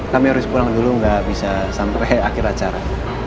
kami harus pulang dulu nggak bisa sampai akhir acara